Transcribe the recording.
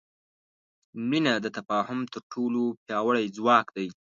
مینه د تفاهم تر ټولو پیاوړی ځواک دی.